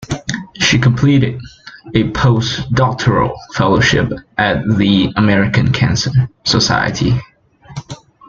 She completed a post-doctoral fellowship at the American Cancer Society.